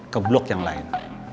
ke blok yang lain